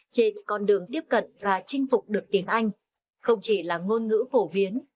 trên con đường tiếp cận và chinh phục được tiếng anh không chỉ là ngôn ngữ phổ biến